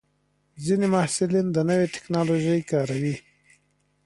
ځینې محصلین د نوې ټکنالوژۍ کاروي.